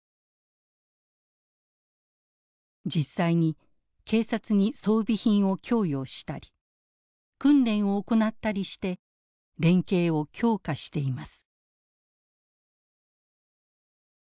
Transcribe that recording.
実際に警察に装備品を供与したり訓練を行ったりして連携を強化しています。